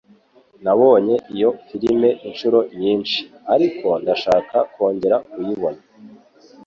Nabonye iyo firime inshuro nyinshi, ariko ndashaka kongera kuyibona.